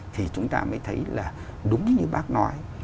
thì chúng ta mới thấy là đúng như bác nói